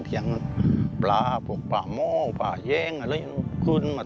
ต้องเห็นเป็นจะจะจะน้อยเป็นหนึ่งเอง